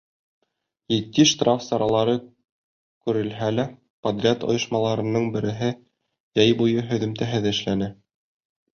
Етди штраф саралары күрелһә лә, подряд ойошмаларының береһе йәй буйы һөҙөмтәһеҙ эшләне.